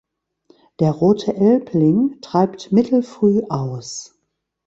Der "Rote Elbling" treibt mittelfrüh aus.